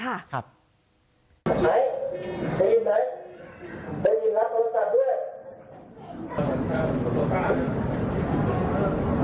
ไหนได้ยินไหมได้ยินแล้วบริษัทด้วย